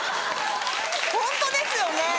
ホントですよね。